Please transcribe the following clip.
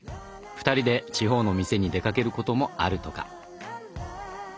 ２人で地方の店に出かけることもあるとか。